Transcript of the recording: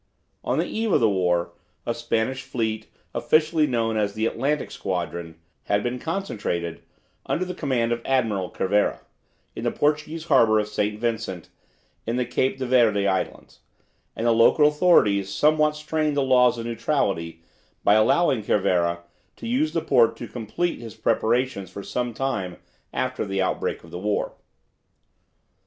On the eve of the war a Spanish fleet, officially known as the Atlantic Squadron, had been concentrated, under the command of Admiral Cervera, in the Portuguese harbour of St. Vincent, in the Cape de Verde Islands, and the local authorities somewhat strained the laws of neutrality by allowing Cervera to use the port to complete his preparations for some time after the outbreak of the war.